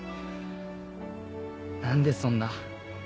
何でそんな。